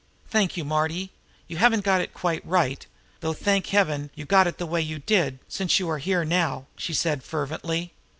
"Thank you, Marty! You haven't got it quite right though, thank Heaven, you got it the way you did, since you are here now!" she said fervently.